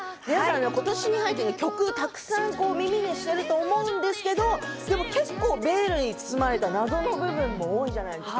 今年に入って曲をたくさん耳にしてると思うんですけれど、結構ベールに包まれた謎の部分も多いじゃないですか。